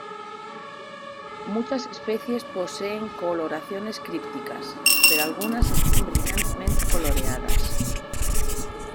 Muchas especies poseen coloraciones crípticas, pero algunas están brillantemente coloreadas.